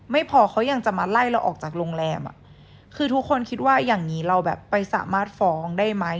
ไม่พอเขายังจะมาไล่เราออกจากโรงแรมอ่ะคือทุกคนคิดว่าอย่างนี้เราแบบไปสามารถฟ้องได้ไหม